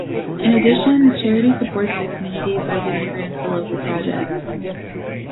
In addition, the charity supports the community by giving grants to local projects.